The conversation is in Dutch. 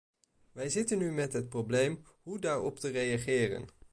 Wij zitten nu met het probleem hoe daarop te reageren.